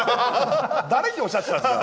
誰におっしゃってたんですか？